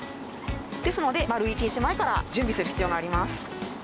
ですので丸１日前から準備する必要があります。